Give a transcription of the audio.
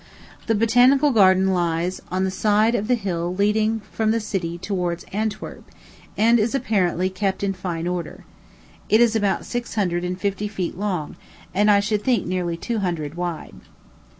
The Botanical Garden lies on the side of the hill leading from the city towards Antwerp, and is apparently kept in fine order. It is about six hundred and fifty yards long, and I should think nearly two hundred wide.